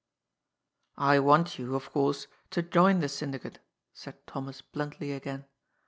"I want you, of course, to join the syndicate," said Thomas bluntly again.